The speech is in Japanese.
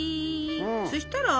そしたら？